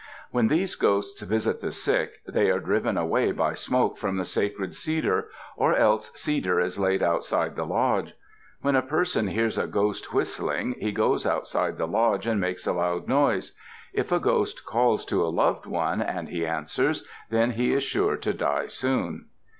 When these ghosts visit the sick, they are driven away by smoke from the sacred cedar, or else cedar is laid outside the lodge. When a person hears a ghost whistling he goes outside the lodge and makes a loud noise. If a ghost calls to a loved one and he answers, then he is sure to die soon.